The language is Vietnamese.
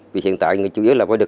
vì hiện tại người chủ yếu là voi đực